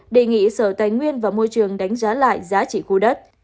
đề nghị sở tài nguyên và môi trường đánh giá lại giá trị khu đất